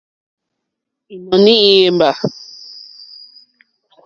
Ínɔ̀ní í yémbà.